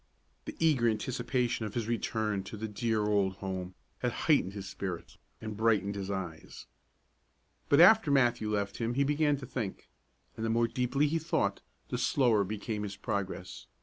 The eager anticipation of his return to the dear old home had heightened his spirits, and brightened his eyes. But after Matthew left him he began to think; and the more deeply he thought, the slower became his progress.